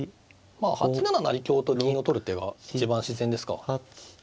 ８七成香と銀を取る手が一番自然ですか。